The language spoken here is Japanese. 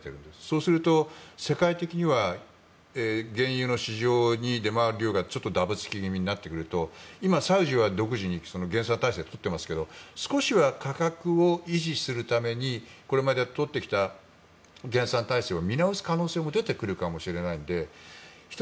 そうすると、世界的には原油の市場に出回る量がだぶつき気味になってくると今サウジは独自に減産体制を取っていますが少しは価格を維持するためにこれまで取ってきた減産体制を見直す可能性も出てくるかもしれないので１人